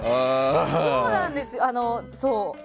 そうなんですよ！